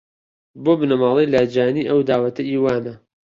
بۆ بنەماڵەی لاجانی ئەو داوەتە ئی وانە